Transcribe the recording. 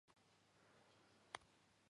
იგი ვაჭრობის, კომერციისა და ფინანსების ცენტრია.